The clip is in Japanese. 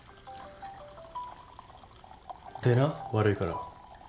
出な、悪いから。